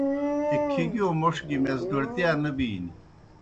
ایْک کِھگِیْؤ موْݜ گیْ میزگیڑتِیا نہ بِینیْ۔